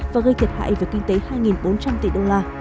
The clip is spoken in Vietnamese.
và gây thiệt hại về kinh tế hai bốn trăm linh tỷ đô la